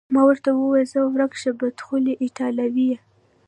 ما ورته وویل: ځه ورک شه، بدخولې ایټالویه.